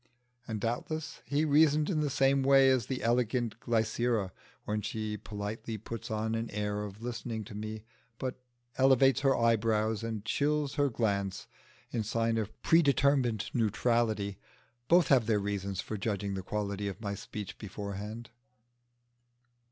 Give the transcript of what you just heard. and doubtless he reasoned in the same way as the elegant Glycera when she politely puts on an air of listening to me, but elevates her eyebrows and chills her glance in sign of predetermined neutrality: both have their reasons for judging the quality of my speech beforehand.